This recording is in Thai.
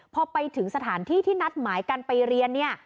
พอไปถึงสถานที่ที่นัดหมายกันไปเรียนเนี่ย